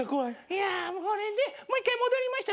いやそれでもう一回戻りました。